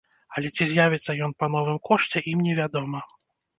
Але ці з'явіцца ён па новым кошце ім не вядома.